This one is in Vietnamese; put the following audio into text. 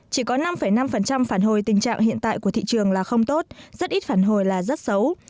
chỉ có năm năm phản hồi tình trạng hiện tại của thị trường là không tốt rất ít phản hồi là rất xấu